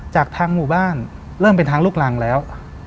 จากทางหมู่บ้านเริ่มเป็นทางลูกรังแล้ว